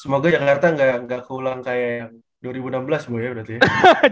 semoga jakarta gak keulang kayak dua ribu enam belas ya berarti